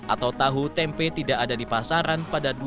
atau tahu tempe tidak ada di pasaran